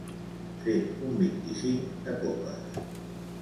Fet un vint-i-cinc de copes.